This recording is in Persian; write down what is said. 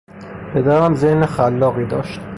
پدرم ذهن خلاقی داشت.